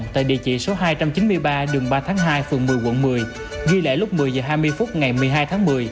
tại địa chỉ số hai trăm chín mươi ba đường ba tháng hai phường một mươi quận một mươi ghi lễ lúc một mươi h hai mươi phút ngày một mươi hai tháng một mươi